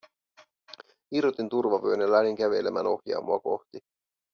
Irrotin turvavyön ja lähdin kävelemään ohjaamoa kohti.